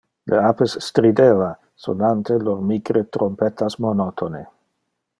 Le apes strideva sonante lor micre trompettas monotone.